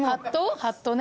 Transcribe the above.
ハットね。